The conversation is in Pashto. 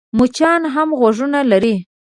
مچان هم غوږونه لري .